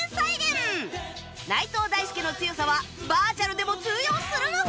内藤大助の強さはバーチャルでも通用するのか？